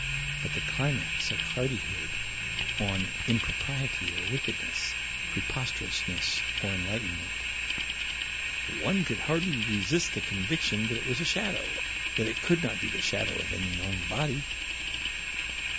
But the climax of hardihood or impropriety or wickedness, preposterousness or enlightenment: "One could hardly resist the conviction that it was a shadow, yet it could not be the shadow of any known body."